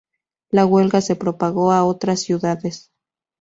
La huelga se propagó a otras ciudades.